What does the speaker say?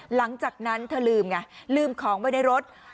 หลังจากนั้นเธอลืมไงลืมของไว้ในรถ